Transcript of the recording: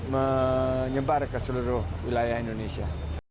menyebar ke seluruh wilayah indonesia